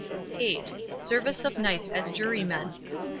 * (8) Service of knights as Jurymen.